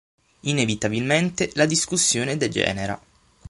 Inevitabilmente la discussione degenera.